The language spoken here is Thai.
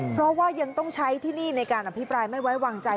เพราะว่ายังต้องใช้ที่นี่ในการอภิปรายไม่ไว้วางใจ